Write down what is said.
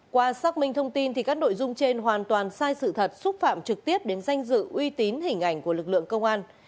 qua xác minh thông tin các nội dung trên hoàn toàn sai sự thật xúc phạm trực tiếp đến danh dự uy tín hình ảnh của lực lượng công an